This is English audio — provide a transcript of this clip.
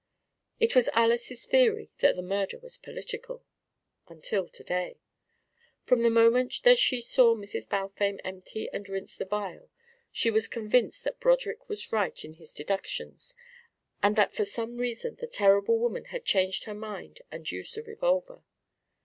It was Alys's theory that the murder was political. Until to day! From the moment that she saw Mrs. Balfame empty and rinse the vial, she was convinced that Broderick was right in his deductions and that for some reason the terrible woman had changed her mind and used the revolver.